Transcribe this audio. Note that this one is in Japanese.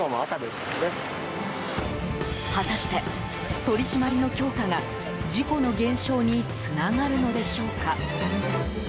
果たして取り締まりの強化が事故の減少につながるのでしょうか。